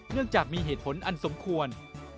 เนื่องจากมีเหตุผลอันสมควร